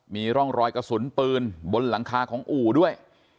มีร่องรอยกระสุนปืนบนหลังคาของอู่ด้วย